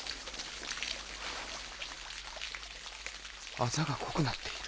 アザが濃くなっている。